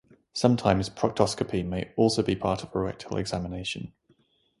Sometimes proctoscopy may also be part of a rectal examination.